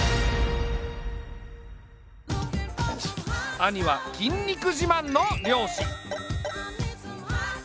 兄は筋肉自慢の漁師。